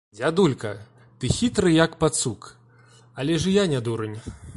Дзядулька, ты хітры, як пацук, але ж і я не дурань.